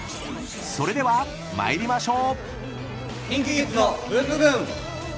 ［それでは参りましょう］